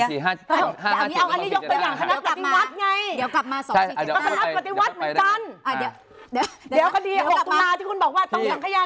เอาอันนี้ยกไปอย่างคณะปฏิวัติไง